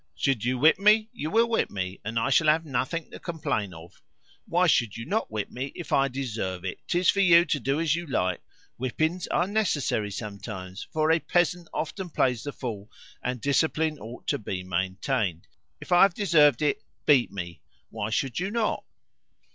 "Should you whip me, you will whip me, and I shall have nothing to complain of. Why should you not whip me if I deserve it? 'Tis for you to do as you like. Whippings are necessary sometimes, for a peasant often plays the fool, and discipline ought to be maintained. If I have deserved it, beat me. Why should you not?"